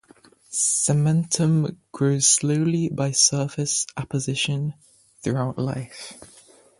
Cementum grows slowly, by surface apposition, throughout life.